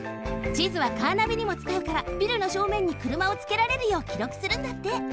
地図はカーナビにもつかうからビルのしょうめんにくるまをつけられるようきろくするんだって。